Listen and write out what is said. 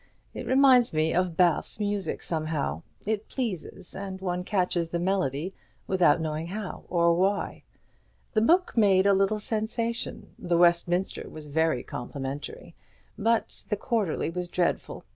It reminds me of Balfe's music, somehow; it pleases, and one catches the melody without knowing how or why. The book made quite a little sensation. The 'Westminster' was very complimentary, but the 'Quarterly' was dreadful.